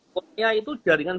kornea itu jaringan